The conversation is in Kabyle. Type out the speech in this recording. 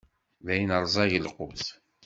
Dayen, rẓag lqut.